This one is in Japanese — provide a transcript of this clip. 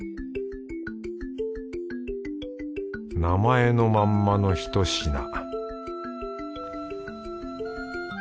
名前のまんまのひと品